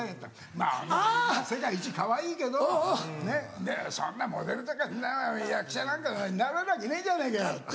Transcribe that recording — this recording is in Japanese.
まぁ世界一かわいいけどねっそんなモデルとか役者なんかなれるわけねえじゃねぇかよ」って。